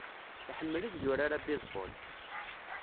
Iḥemmel ad yurar abaseball.